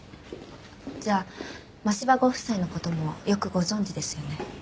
じゃあ真柴ご夫妻のこともよくご存じですよね？